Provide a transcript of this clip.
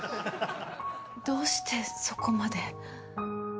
どうしてそこまで。